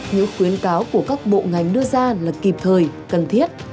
những khuyến cáo của các bộ ngành đưa ra là kịp thời cần thiết